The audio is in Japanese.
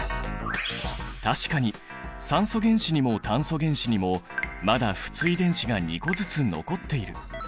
確かに酸素原子にも炭素原子にもまだ不対電子が２個ずつ残っている。